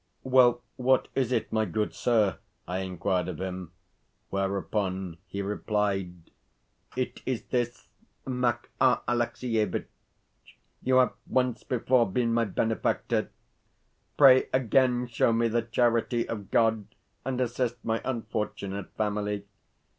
"Well, what is it, my good sir?" I inquired of him; whereupon he replied: "It is this, Makar Alexievitch. You have once before been my benefactor. Pray again show me the charity of God, and assist my unfortunate family.